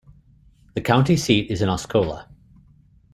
The county seat is Osceola.